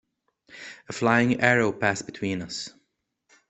A flying arrow passed between us.